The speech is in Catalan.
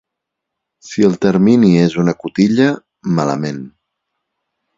Si el termini és una cotilla, malament.